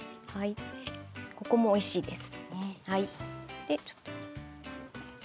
ここもおいしいです。